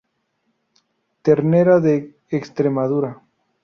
Ternera de Extremadura.